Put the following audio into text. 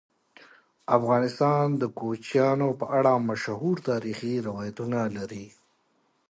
افغانستان د کوچیانو په اړه مشهور تاریخی روایتونه لري.